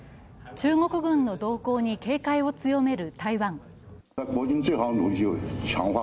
中国軍の動向に警戒を強める台湾。